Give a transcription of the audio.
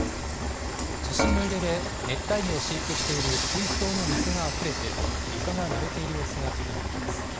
地震の揺れで熱帯魚を飼育している水槽の水があふれて、床がぬれている様子が確認できます。